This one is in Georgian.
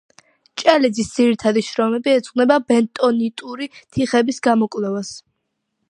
ჭელიძის ძირითადი შრომები ეძღვნება ბენტონიტური თიხების გამოკვლევას.